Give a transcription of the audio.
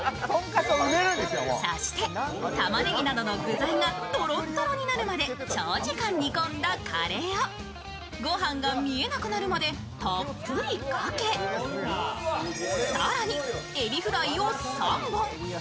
そして、たまねぎなどの具材がトロトロになるまで長時間煮込んだカレーをごはんが見えなくなるまでたっぷりかけ、更にエビフライを３本。